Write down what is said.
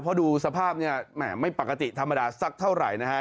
เพราะดูสภาพเนี่ยแหมไม่ปกติธรรมดาสักเท่าไหร่นะฮะ